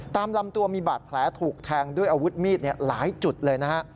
ตามลำตัวมีบาดแผลถูกแทงด้วยอาวุธมีดหลายจุดเลยนะฮะ